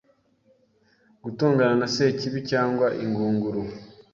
gutongana na Sekibi cyangwa ingunguru